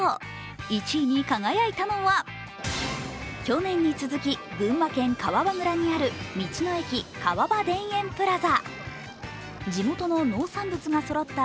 １位に輝いたのは去年に続き群馬県川場村にある道の駅川場田園プラザ。